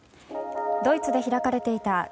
ドイツで開かれていたＧ７